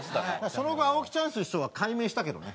その後青木チャンス師匠は改名したけどね。